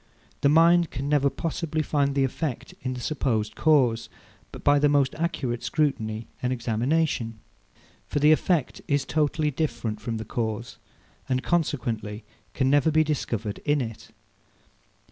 The mind can never possibly find the effect in the supposed cause, by the most accurate scrutiny and examination. For the effect is totally different from the cause, and consequently can never be discovered in it.